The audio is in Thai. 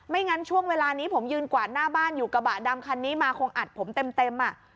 งั้นช่วงเวลานี้ผมยืนกวาดหน้าบ้านอยู่กระบะดำคันนี้มาคงอัดผมเต็มอ่ะ